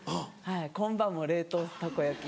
今晩も冷凍たこ焼き。